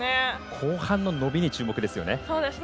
後半の伸びに注目ですね。